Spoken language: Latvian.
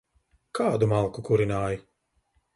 Kādu malku kurināji?